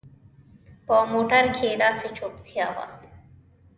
په موټر کښې داسې چوپتيا وه.